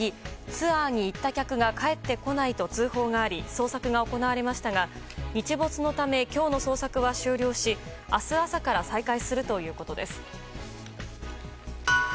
ツアーに参加に行った客が帰ってこないと通報があり捜索が行われましたが日没のため今日の捜索は終了し明日朝から再開するということです。